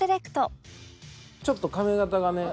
ちょっと髪型がね